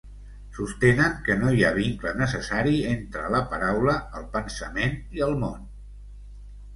Sostenen que no hi ha vincle necessari entre la paraula, el pensament i el món.